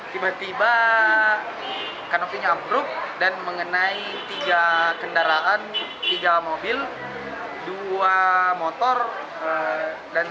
tiba tiba kanopinya ambruk dan mengenai tiga kendaraan tiga mobil dua motor dan tiga